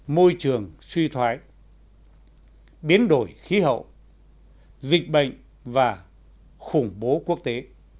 môi trường suy thoái biến đổi khí hậu dịch bệnh và khủng bố quốc tế